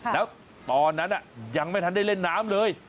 แล้วตอนนั้นยังไม่ทันได้เล่นน้ำเลย